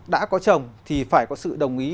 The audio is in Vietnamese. đã có chồng thì phải có sự đồng ý